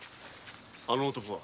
あの男は？